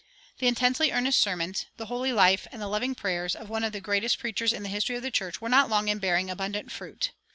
The intensely earnest sermons, the holy life, and the loving prayers of one of the greatest preachers in the history of the church were not long in bearing abundant fruit.